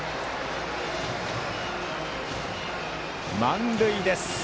満塁です。